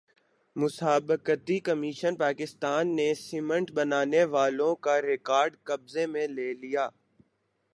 مسابقتی کمیشن پاکستان نے سیمنٹ بنانے والوں کا ریکارڈ قبضے میں لے لیا